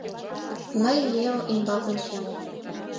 Мый Лео ӱмбак ончем.